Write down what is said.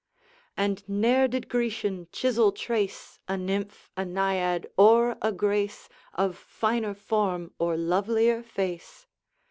And ne'er did Grecian chisel trace A Nymph, a Naiad, or a Grace, Of finer form or lovelier face!